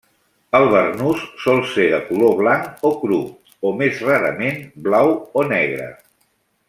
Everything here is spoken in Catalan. El barnús sol ser de color blanc o cru, o més rarament blau o negre.